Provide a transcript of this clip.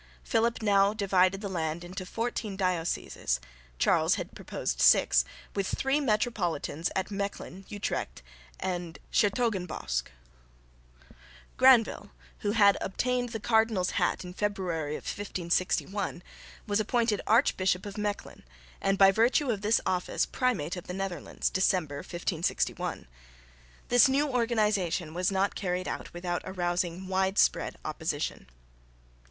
Philip now divided the land into fourteen dioceses (Charles had proposed six) with three Metropolitans at Mechlin, Utrecht and 'sHertogenbosch. Granvelle, who had obtained the Cardinal's hat, February, 1561, was appointed Archbishop of Mechlin, and by virtue of this office Primate of the Netherlands, December, 1561. This new organisation was not carried out without arousing widespread opposition.